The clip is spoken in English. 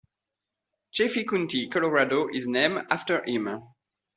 Chaffee County, Colorado is named after him.